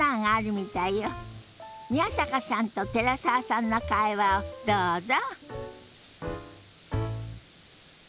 宮坂さんと寺澤さんの会話をどうぞ。